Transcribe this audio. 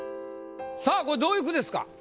さぁこれどういう句ですか？